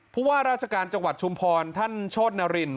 ผู้ว่าราชการจังหวัดชุมพรท่านโชธนาริน